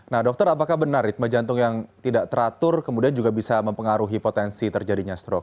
nah dokter apakah benar ritme jantung yang tidak teratur kemudian juga bisa mempengaruhi potensi terjadinya stroke